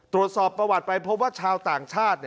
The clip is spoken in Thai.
ตรวจสอบประวัติไปพบว่าชาวต่างชาติ